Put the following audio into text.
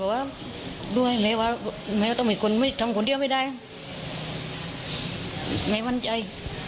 ก็ว่าด้วยเมียว่าต้องมีคนทำคนเดียวไม่ได้เมียมั่นใจ